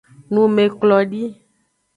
Numeklodi.